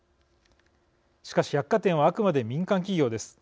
しかし、百貨店はあくまで民間企業です。